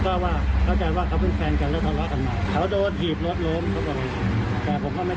เขาบอกผมก็ไม่เข้าใจว่าจะจับทำไม